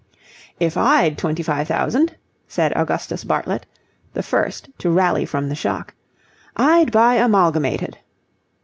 "If I'd twenty five thousand," said Augustus Bartlett, the first to rally from the shock, "I'd buy Amalgamated..."